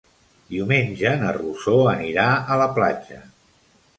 Diumenge na Rosó anirà a la platja.